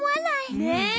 ねえ！